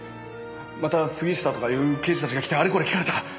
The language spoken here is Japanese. また杉下とかいう刑事たちが来てあれこれ聞かれた。